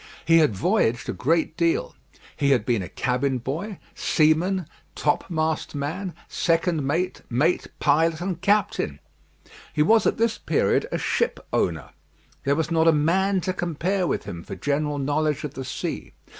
He had voyaged a great deal. He had been a cabin boy, seaman, topmast man, second mate, mate, pilot, and captain. He was at this period a ship owner. There was not a man to compare with him for general knowledge of the sea.